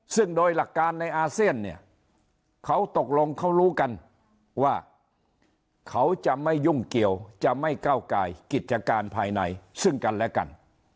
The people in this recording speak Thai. ซึ่งโดยหลักการในอาเซียนเนี่ยเขาตกลงเขารู้กันว่าเขาจะไม่ยุ่งเกี่ยวจะไม่ก้าวกายกิจการภายในซึ่งกันและกัน